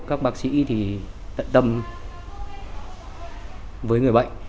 các bác sĩ tận tâm với người bệnh